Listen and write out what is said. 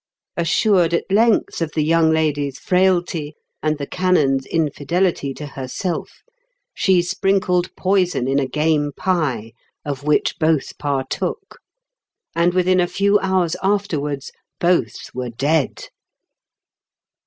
Assured at length of the young lady's firailty and the canon's infidelity to herself, she sprinkled poison in a game pie, of which both partook ; and within a few hours afterwards both were dead.